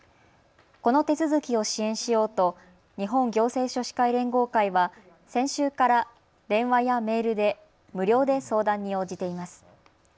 この手続きを支援しようと日本行政書士会連合会は先週から電話やメールで無料で相談に応じています。